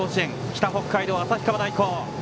北北海道・旭川大高。